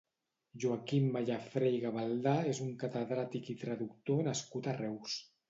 Joaquim Mallafrè i Gavaldà és un catedràtic i traductor nascut a Reus.